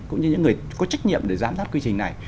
cũng như những người có trách nhiệm để giám sát quy trình này